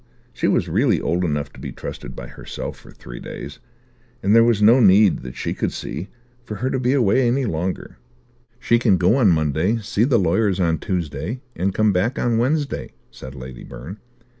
She was really old enough to be trusted by herself for three days, and there was no need, that she could see, for her to be away longer. "She can go on Monday, see the lawyers on Tuesday, and come back on Wednesday," said Lady Byrne.